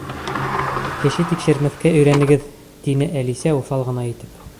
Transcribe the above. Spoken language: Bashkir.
—Кеше тикшермәҫкә өйрәнегеҙ, —тине Әлисә уҫал ғына итеп.